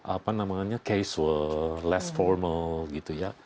apa namanya casual less formal gitu ya